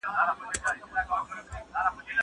زه اوږده وخت سينه سپين کوم!!